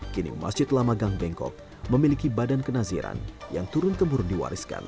kini masjid lamagang bangkok memiliki badan kenaziran yang turun kemurun diwariskan